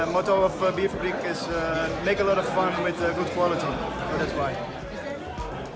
motif bfb adalah menikmati dengan kualitas yang baik